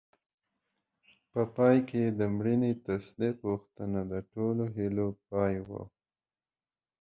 په پای کې د مړینې تصدیق غوښتنه د ټولو هیلو پای و.